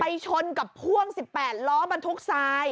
ชนกับพ่วง๑๘ล้อบรรทุกทราย